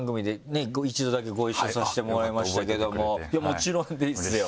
もちろんですよ。